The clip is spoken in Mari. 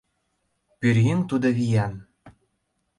Пӧръеҥ тудо виян.